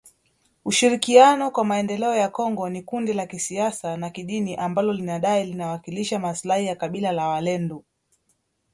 Ushirikiano kwa Maendelea ya Kongo ni kundi la kisiasa na kidini ambalo linadai linawakilisha maslahi ya kabila la walendu.